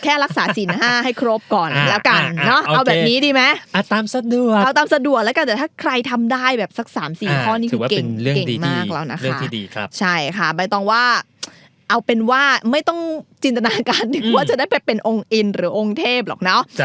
เอาเป็นว่าไม่ต้องจินตนาการนึกว่าจะได้ไปเป็นองค์อินหรือองค์เทพหรอกเนาะ